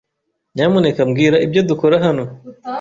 Nyamuneka mbwira ibyo dukora hano.